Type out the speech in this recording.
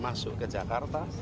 masuk ke jakarta